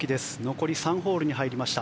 残り３ホールに入りました。